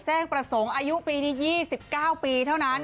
แจ้งประสงค์อายุปีนี้๒๙ปีเท่านั้น